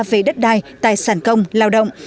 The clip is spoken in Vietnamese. về đất đai tài sản công lao động